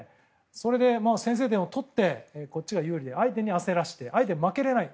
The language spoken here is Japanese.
それで先制点を取ってこっちが有利で相手に焦らせて相手は負けられない。